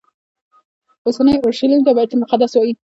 اوسني اورشلیم ته بیت المقدس وایي.